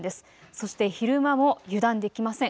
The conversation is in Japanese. そして昼間も油断できません。